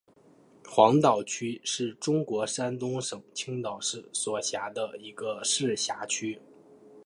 黄岛区是中国山东省青岛市所辖的一个市辖区。